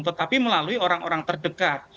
tetapi melalui orang orang terdekat